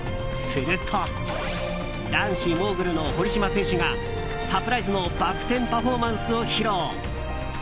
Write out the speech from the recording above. すると男子モーグルの堀島選手がサプライズのバク転パフォーマンスを披露。